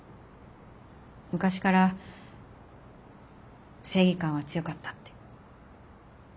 昔から正義感は強かったって。